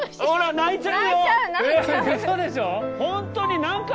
泣いちゃう。